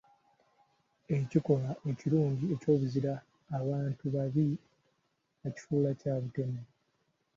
Ekikolwa ekirungi eky'obuzira, abantu-babi baakifuula kya butemu.